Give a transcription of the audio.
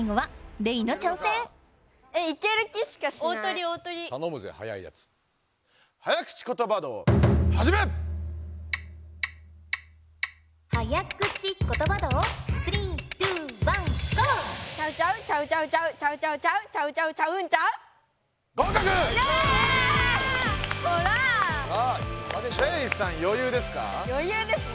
レイさんよゆうですか？